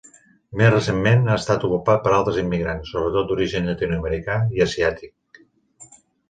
Més recentment, ha estat ocupat per altres immigrants, sobretot d'origen llatinoamericà i asiàtic.